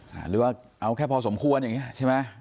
หรือว่าเอาแค่พอสมควรอย่างนี้ใช่ไหม